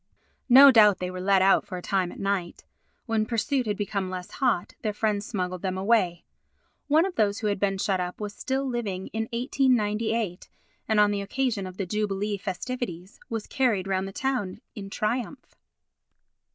No doubt they were let out for a time at night. When pursuit had become less hot, their friends smuggled them away. One of those who had been shut up was still living in 1898 and, on the occasion of the jubilee festivities, was carried round the town in triumph.